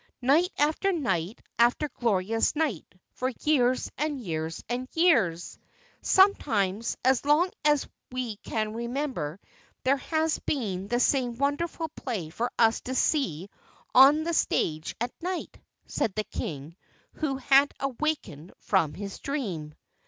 "Night after night after glorious night for years and years and years sometimes as long as we can remember there has been the same wonderful play for us to see on the stage at night," said the King who had awakened from his dream.